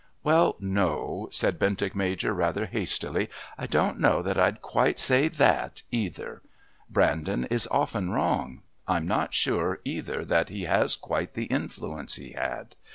"Well, no," said Bentinck Major rather hastily. "I don't know that I'd quite say that either. Brandon is often wrong. I'm not sure either that he has quite the influence he had.